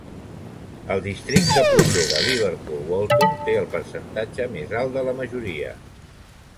El districte proper de Liverpool Walton té el percentatge més alt de la majoria.